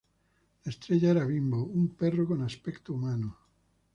La estrella era Bimbo, un perro con aspecto humano.